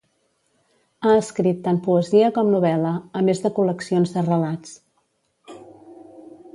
Ha escrit tant poesia com novel·la, a més de col·leccions de relats.